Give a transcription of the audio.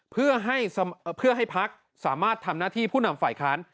เพื่อให้พักสามารถทำหน้าที่ผู้นำฝ่ายค้าน